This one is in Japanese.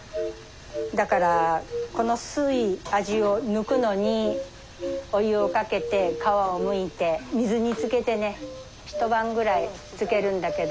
だからこの酸い味を抜くのにお湯をかけて皮をむいて水につけてね一晩くらいつけるんだけど。